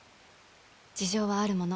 事情はあるもの。